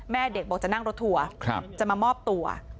แม่เด็กบอกจะนั่งรถทัวร์จะมามอบตัว